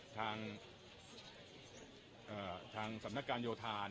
ทางสำนักการโยธา